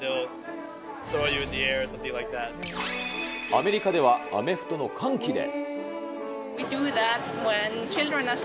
アメリカでは、アメフトの歓喜で。